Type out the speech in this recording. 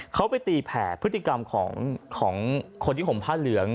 เขาไปตีแผ่พฤติกรรมของคนที่ห่มผ้าเหลือง